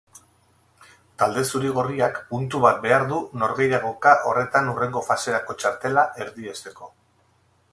Talde zuri-gorriak puntu bat behar du norgehiagoka horretan hurrengo faserako txartela erdiesteko.